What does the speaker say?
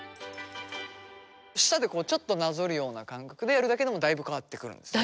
舌でこうちょっとなぞるような感覚でやるだけでもだいぶ変わってくるんですね。